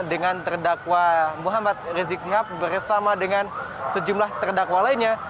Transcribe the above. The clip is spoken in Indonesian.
dengan terdakwa muhammad rizik sihab bersama dengan sejumlah terdakwa lainnya